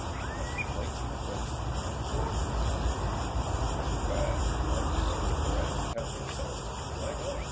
I have been waiting and waiting, with my tongue hanging out." "Too bad. Why did you not look around, help yourself? Why not?"